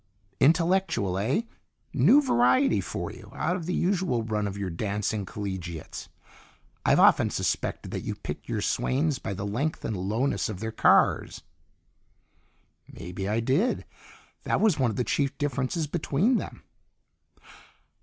"Intellectual, eh? New variety for you; out of the usual run of your dancing collegiates. I've often suspected that you picked your swains by the length and lowness of their cars." "Maybe I did. That was one of the chief differences between them."